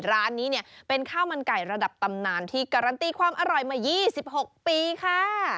ร้านนี้เนี่ยเป็นข้าวมันไก่ระดับตำนานที่การันตีความอร่อยมา๒๖ปีค่ะ